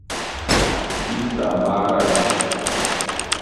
Itamaraju